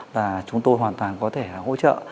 là chúng tôi hoàn toàn có thể hỗ trợ